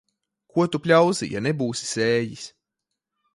Ko tu pļausi, ja nebūsi sējis.